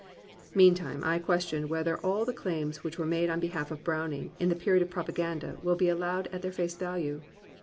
Meantime I question whether all the claims which were made on behalf of Browning in the period of propaganda will be allowed at their face value.